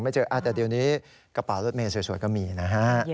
ไม่เจอแต่เดี๋ยวนี้กระเป๋ารถเมย์สวยก็มีนะฮะ